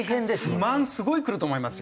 不満すごいくると思いますよ。